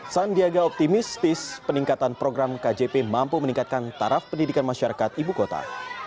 sandiaga optimistis peningkatan program kjp mampu meningkatkan taraf pendidikan masyarakat ibu kota